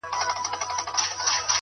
o مسکين ته د کلا د سپو سلا يوه ده.